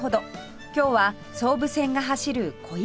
今日は総武線が走る小岩へ